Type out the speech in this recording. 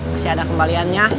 masih ada kembaliannya